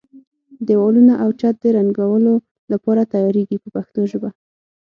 دېوالونه او چت د رنګولو لپاره تیاریږي په پښتو ژبه.